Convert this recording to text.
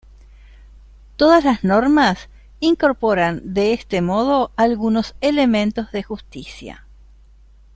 Todas las normas incorporan, de este modo, algunos elementos de justicia.